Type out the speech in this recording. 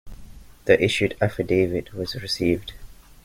The issued affidavit was received.